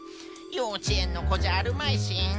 ようちえんのこじゃあるまいし。